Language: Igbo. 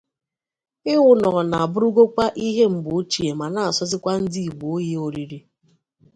ighu na ọna abụrụgokwa ihe mgbe ochie ma na-asọzịkwa ndị Igbo oyi oriri.